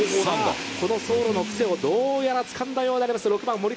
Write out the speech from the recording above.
さあ、この走路のをどうやらつかんだようであります。